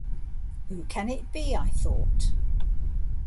‘Who can it be?’ I thought.